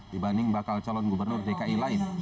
dibanding bakal calon gubernur dki lain